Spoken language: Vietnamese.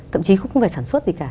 thậm chí không phải sản xuất gì cả